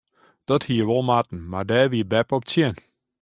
Dat hie wol moatten mar dêr wie beppe op tsjin.